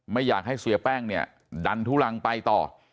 ไม่อยากให้เสียแป้งเนี่ยดันทุลังไปต่อ